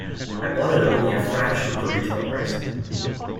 I bought it at only a fraction of the retail price.